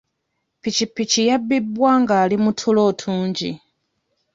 Pikipiki yabbibwa ng'ali mu ttulo otungi.